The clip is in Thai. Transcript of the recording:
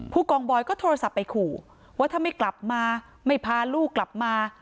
กองบอยก็โทรศัพท์ไปขู่ว่าถ้าไม่กลับมาไม่พาลูกกลับมา